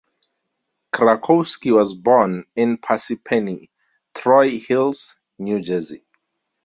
Krakowski was born in Parsippany-Troy Hills, New Jersey.